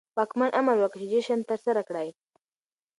واکمن امر وکړ چې جشن ترسره کړي.